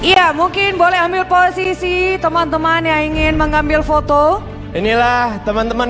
ya mungkin boleh ambil posisi teman teman yang ingin mengambil foto inilah teman teman